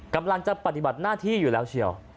กำลังจะปฏิบัติหน้าที่อยู่แล้วเชียว